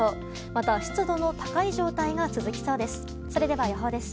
また、湿度の高い状態が続きそうです。